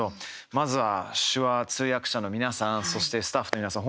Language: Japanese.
まずは手話通訳者の皆さんそしてスタッフの皆さん